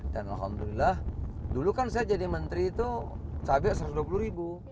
dan alhamdulillah dulu kan saya jadi menteri itu cabai satu ratus dua puluh ribu